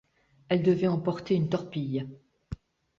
Elle devait emporter une torpille.